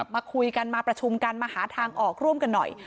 มาคุยกันมาประชุมกันมาหาทางออกร่วมกันหน่อย